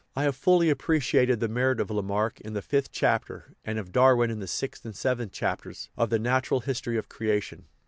I have fully appreciated the merit of Lamarck in the fifth chapter, and of Darwin in the sixth and seventh chapters, of the Natural History of Creation.